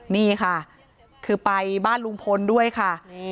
นี่ค่ะคือไปบ้านลุงพลด้วยค่ะ